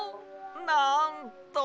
なんと！